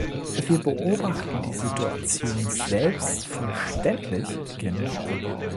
Wir beobachten die Situation selbstverständlich genau.